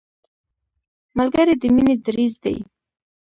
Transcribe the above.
ملګری د مینې دریځ دی